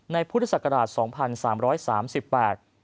ในพุทธศักราช๒๓๓๘